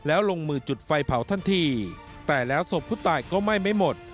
แล้วลงมือจุดไฟเผาทันทีแต่แล้วศพผู้ตายก็ไหม้ไม่หมด